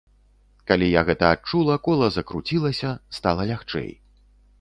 Калі я гэта адчула, кола закруцілася, стала лягчэй.